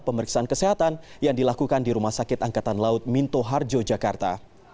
pemeriksaan kesehatan yang dilakukan di rumah sakit angkatan laut minto harjo jakarta